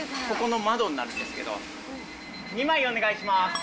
ここの窓になってるんですけど、２枚お願いします。